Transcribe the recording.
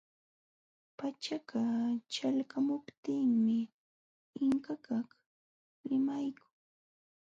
Pachaka ćhalqamuptinmi Inkakaq limaykun.